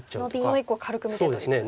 この１個を軽く見てということですね。